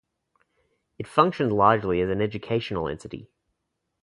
It functioned largely as an educational entity.